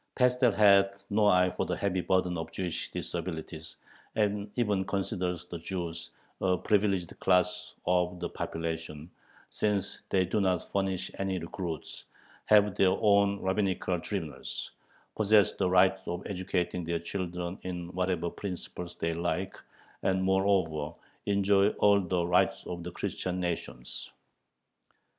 Pestel has no eye for the heavy burden of Jewish disabilities, and even considers the Jews a privileged class of the population, since they do not furnish any recruits, have their own rabbinical tribunals, possess "the right of educating their children in whatever principles they like," and "moreover enjoy all the rights of the Christian nations"